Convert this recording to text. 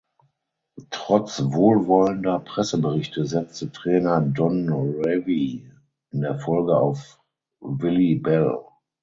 Trotz wohlwollender Presseberichte setzte Trainer Don Revie in der Folge auf Willie Bell.